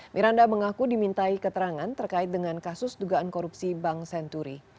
miranda mengaku dimintai keterangan terkait dengan kasus dugaan korupsi bank senturi